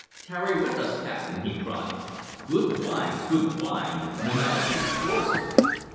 "Tarry with us, captain!" he cried. "Good wine's good wine, no matter who pours it!